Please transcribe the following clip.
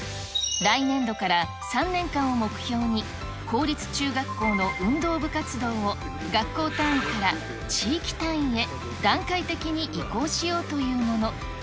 来年度から３年間を目標に、公立中学校の運動部活動を学校単位から地域単位へ、段階的に移行しようというもの。